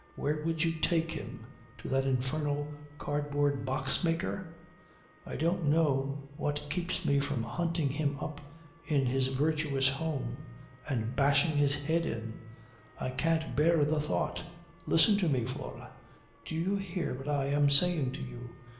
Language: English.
Where would you take him? To that infernal cardboard box maker. I don't know what keeps me from hunting him up in his virtuous home and bashing his head in. I can't bear the thought. Listen to me, Flora! Do you hear what I am saying to you?